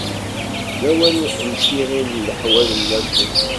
D lawan n tiɣin n leḥwal n lakul.